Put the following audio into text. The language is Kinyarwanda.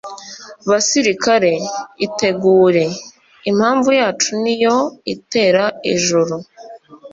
basirikare, itegure! impamvu yacu niyo itera ijuru;